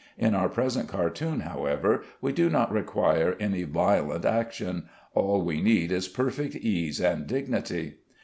In our present cartoon, however, we do not require any violent action; all we need is perfect ease and dignity.